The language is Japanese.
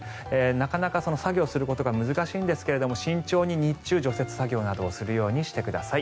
なかなか作業をすることが難しいんですが慎重に日中除雪作業などをするようにしてください。